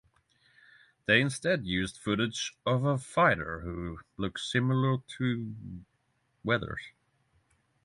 They instead used footage of a fighter who looks similar to Weathers.